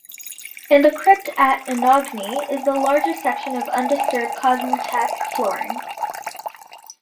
In the crypt at Anagni is the largest section of undisturbed Cosmatesque flooring.